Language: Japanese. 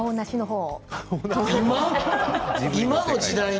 今の時代に？